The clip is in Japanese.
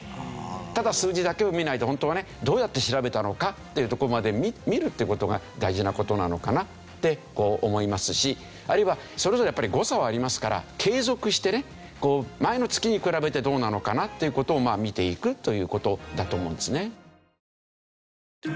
ただ数字だけを見ないでホントはねどうやって調べたのかっていうとこまで見るっていう事が大事な事なのかなって思いますしあるいはそれぞれやっぱり誤差はありますから継続してね前の月に比べてどうなのかなっていう事を見ていくという事だと思うんですね。